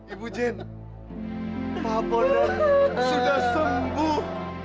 ibu jen pak wondan sudah sembuh